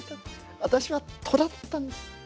私はとらだったんです。